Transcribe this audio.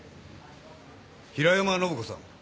平山信子さん？